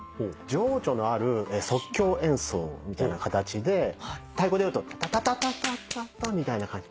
情緒のある即興演奏みたいな形で太鼓でいうと「タタタタ」みたいな感じ。